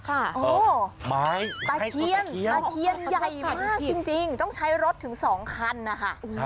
แบ๊กโพลใหญ่มากค่ะตาเคียนใหญ่มากจริงต้องใช้รถถึงสองคันนะคะ